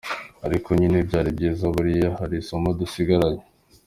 Ariko nyine byari byiza buriya hari isomo dusigaranye.